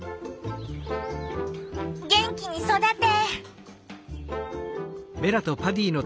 元気に育て！